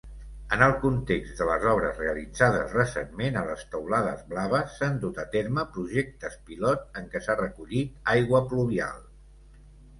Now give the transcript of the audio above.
En el context de les obres realitzades recentment a les taulades blaves, s'han dut a terme projectes pilot en què s'ha recollit aigua pluvial.